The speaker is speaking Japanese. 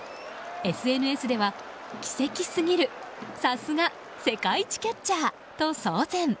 ＳＮＳでは、奇跡すぎるさすが世界一キャッチャーと騒然。